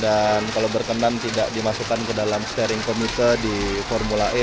dan kalau berkenan tidak dimasukkan ke dalam steering committee di formula e